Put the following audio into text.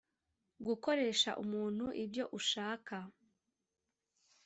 Gukoresha Umuntu Ibyo Ushaka